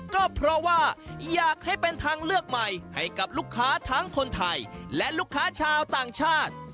ก็เพราะว่าอยากให้เป็นทางเลือกใหม่ให้กับลูกค้าทั้งคนไทยและลูกค้าชาวต่างชาติ